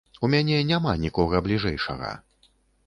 У мяне няма нікога бліжэйшага.